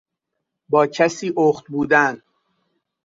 با کسی اخت بودن